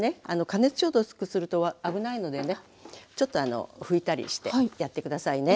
加熱消毒すると危ないのでねちょっと拭いたりしてやって下さいね。